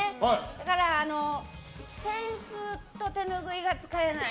だから扇子と手ぬぐいが使えない。